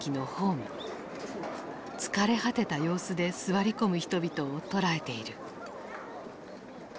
疲れ果てた様子で座り込む人々を捉えている。